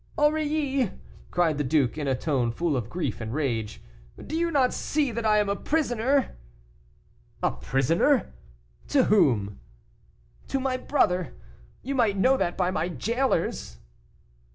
"Aurilly!" cried the duke, in a tone full of grief and rage, "do you not see that I am a prisoner?" "A prisoner! to whom?" "To my brother; you might know that by my jailers."